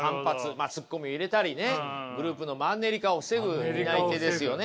まあツッコミを入れたりねグループのマンネリ化を防ぐ担い手ですよね